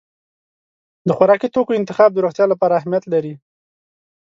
د خوراکي توکو انتخاب د روغتیا لپاره اهمیت لري.